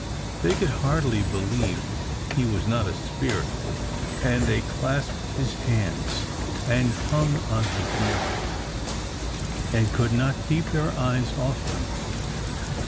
They could hardly believe he was not a spirit, and they clasped his hands, and hung on his neck, and could not keep their eyes off him.